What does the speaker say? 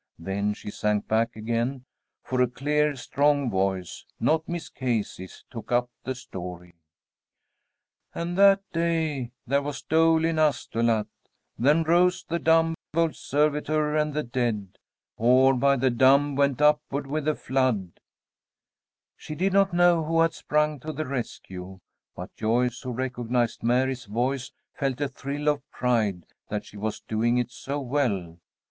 Then she sank back again, for a clear, strong voice, not Miss Casey's, took up the story. "And that day there was dole in Astolat. Then rose the dumb old servitor, and the dead, Oared by the dumb, went upward with the flood." [Illustration: "A LONG DRAWN 'O O OH' GREETED THE BEAUTIFUL TABLEAU"] She did not know who had sprung to the rescue, but Joyce, who recognized Mary's voice, felt a thrill of pride that she was doing it so well.